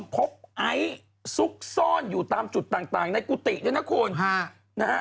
พบไอซุกซ่อนอยู่ตามจุดต่างในกุฏินะครับ